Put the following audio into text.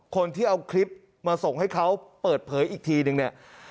คนที่เอาคลิปมาส่งให้เขาเปิดเผยอีกทีนึงเนี่ย